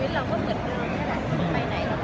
มีโครงการทุกทีใช่ไหม